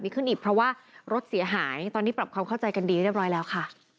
ต้องเคลียร์กันใหม่ต้องคุยกันใหม่